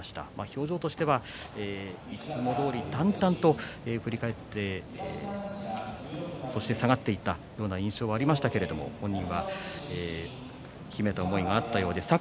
表情としてはいつもどおり淡々と振り返ってそして下がっていったような印象がありましたけれども本人は秘めた思いがあったようです。